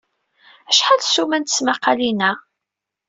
Acḥal ssuma n tesmaqalin-a?